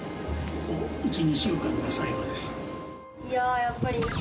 いやあやっぱり。